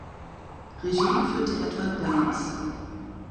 Regie führte Edward Bernds.